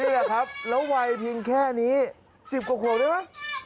แล้ววัยเพียงแค่นี้สิบกว่าได้ไหม